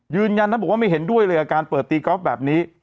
ยืนยันนะบอกว่าไม่เห็นด้วยเลยกับการเปิดตีกอล์ฟแบบนี้